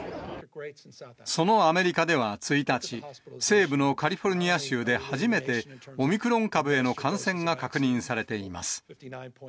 そのアメリカでは１日、西部のカリフォルニア州で初めてオミクロン株への感染が確認されています。